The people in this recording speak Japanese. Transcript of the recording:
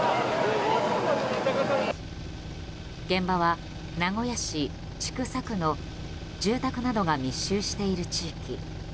現場は、名古屋市千種区の住宅などが密集している地域。